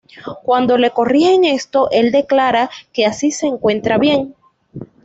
Cuando le corrigen esto, el declara que así se encuentra bien.